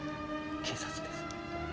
警察です。